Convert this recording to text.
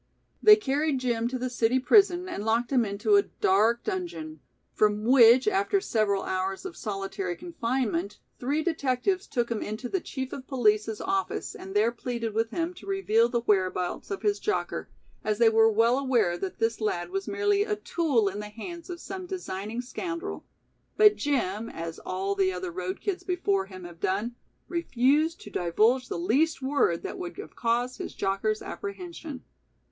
They carried Jim to the city prison and locked him into a dark dungeon, from which, after several hours of solitary confinement, three detectives took him into the chief of police's office and there pleaded with him to reveal the whereabouts of his jocker, as they were well aware that this lad was merely a tool in the hands of some designing scoundrel, but Jim, as all the other road kids before him have done, refused to divulge the least word that would have caused his jocker's apprehension.